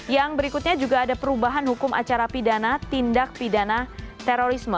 yang berikutnya juga ada perubahan hukum acara pidana tindak pidana terorisme